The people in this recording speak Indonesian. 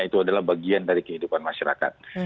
itu adalah bagian dari kehidupan masyarakat